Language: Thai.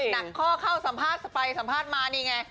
หนักข้อเข้าสัมภาษณ์ไปสัมภาษณ์มานี่ไง